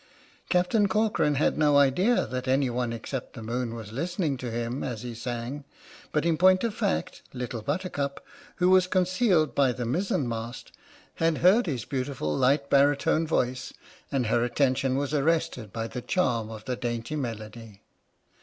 Captain Corcoran had no idea that anyone except the moon was listening to him, as he sang, but in point of fact, Little Buttercup, who was concealed by the mizen mast, had heard his beautiful light baritone voice, and her attention was arrested by the charm of the dainty melody.